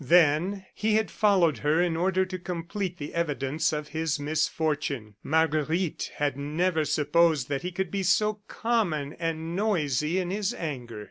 Then he had followed her in order to complete the evidence of his misfortune. Marguerite had never supposed that he could be so common and noisy in his anger.